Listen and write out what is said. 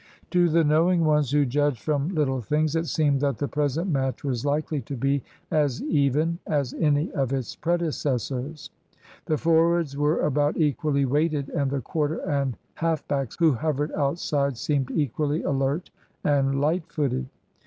To the knowing ones, who judged from little things, it seemed that the present match was likely to be as even as any of its predecessors. The forwards were about equally weighted, and the quarter and half backs who hovered outside seemed equally alert and light footed.